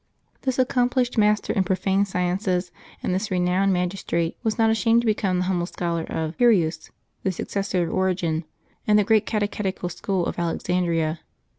This accomplished master in profane sciences, and this renowned magistrate, was not ashamed to become the humble scholar of Pierius, the successor of Origen, in the great catechetical school of xilexandria.